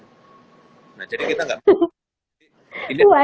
nah jadi kita nggak mau